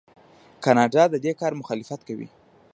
کاناډا د دې کار مخالفت کوي.